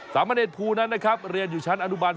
สามเณรภูนั้นนะครับเรียนอยู่ชั้นอนุบาล๔